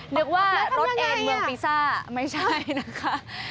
นึกว่ารถเอ็นเมืองปีซ่าไม่ใช่นะคะ